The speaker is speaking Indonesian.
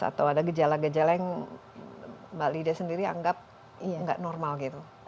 atau ada gejala gejala yang mbak lidah sendiri anggap nggak normal gitu